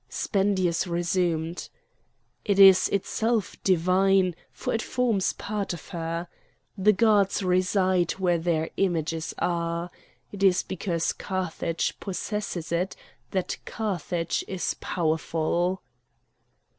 Spendius resumed: "It is itself divine, for it forms part of her. The gods reside where their images are. It is because Carthage possesses it that Carthage is powerful."